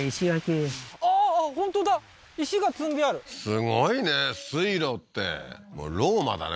すごいね水路ってもうローマだね